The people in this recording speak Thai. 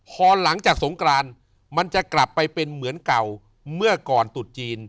พอหลังจากสงกรานมันจะกลับไปเป็นเหมือนเก่าเมื่อก่อนตุดจีน